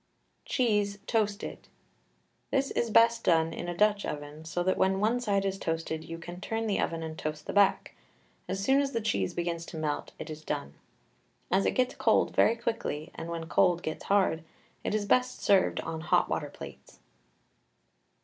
CHEESE, TOASTED. This is best done in a Dutch oven, so that when one side is toasted you can turn the oven and toast the back; as soon as the cheese begins to melt it is done. As it gets cold very quickly, and when cold gets hard, it is best served on hot water plates.